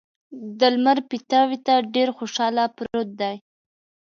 د لمر پیتاوي ته ډېر خوشحاله پروت دی.